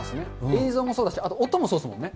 映像もそうだし、あと音もそうですもんね。